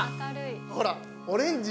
ほら、オレンジ！